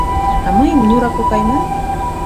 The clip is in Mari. — А мыйым Нюра кокай ман.